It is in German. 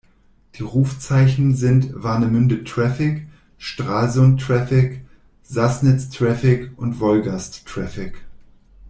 Die Rufzeichen sind „Warnemünde Traffic“, „Stralsund Traffic“, „Sassnitz Traffic“ und „Wolgast Traffic“.